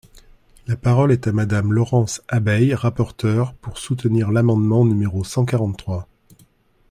La parole est à Madame Laurence Abeille, rapporteure, pour soutenir l’amendement numéro cent quarante-trois.